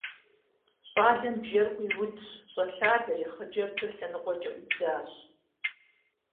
ЩӀалэм бжэр Ӏуиудщ, щӀэлъадэри, хъыджэбзыр лъэныкъуэкӀэ Ӏуидзащ.